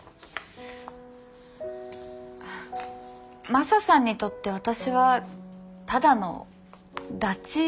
マサさんにとって私はただのダチなんですよ。